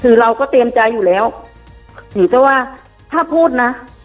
คือเราก็เตรียมใจอยู่แล้วหนูก็ว่าถ้าพูดนะ